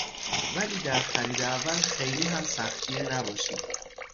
ولی در خرید اول خیلی هم سختگیر نباشید.